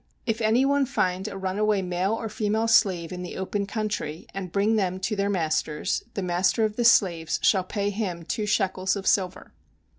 If any one find a runaway male or female slave in the open country and bring them to their masters, the master of the slaves shall pay him two shekels of silver.